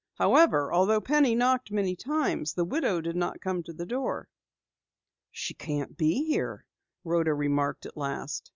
However, although Penny knocked many times, the widow did not come to the door. "She can't be here," Rhoda remarked at last.